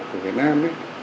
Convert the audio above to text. của việt nam